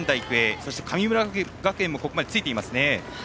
そして神村学園もここまでついていますね。